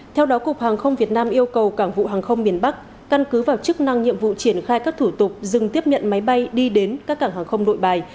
theo đó cục hàng không việt nam yêu cầu cảng vụ hàng không miền bắc căn cứ vào chức năng nhiệm vụ triển khai các thủ tục dừng tiếp nhận máy bay đi đến các cảng hàng không nội bài